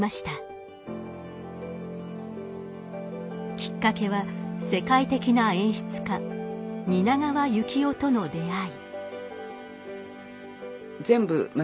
きっかけは世界的な演出家蜷川幸雄との出会い。